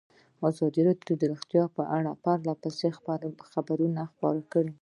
ازادي راډیو د روغتیا په اړه پرله پسې خبرونه خپاره کړي.